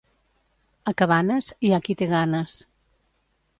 A Cabanes, hi ha qui té ganes.